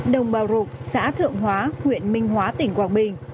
đồng bào rục xã thượng hóa huyện minh hóa tỉnh quảng bình